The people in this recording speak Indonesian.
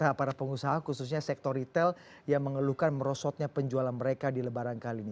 nah para pengusaha khususnya sektor retail yang mengeluhkan merosotnya penjualan mereka di lebaran kali ini